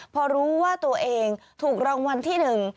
พอรู้ว่าตัวเองถูกรางวัลที่หนึ่ง